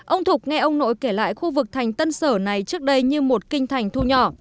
ông thục nghe ông nội kể lại khu vực thành tân sở này trước đây như một kinh thành thu nhỏ